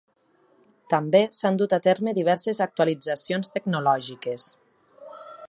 També s'han dut a terme diverses actualitzacions tecnològiques.